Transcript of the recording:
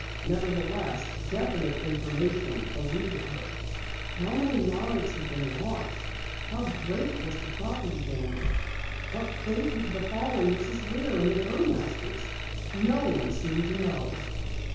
Nevertheless, definite information eluded her. How many lives had been lost? How great was the property damage? What fate had befallen Mrs. Lear and the Burmasters? No one seemed to know.